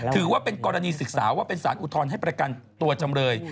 ถือว่าเป็นกรณีศึกษาว่าเป็นสารอุทธรณ์ให้ประกันตัวจำเลย